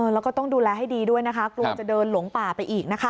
แล้วก็ต้องดูแลให้ดีด้วยนะคะกลัวจะเดินหลงป่าไปอีกนะคะ